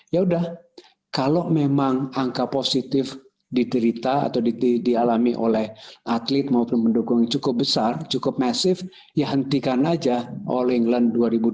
ya udah kalau memang angka positif diterita atau dialami oleh atlet maupun pendukung yang cukup besar cukup masif ya hentikan aja all england dua ribu dua puluh